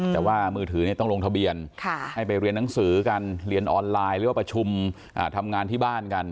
แต่ว่ามือถือต้องลงทะเบียนให้ไปเรียนหนังสือกันเรียนออนไลน์หรือว่าประชุมทำงานที่บ้านกัน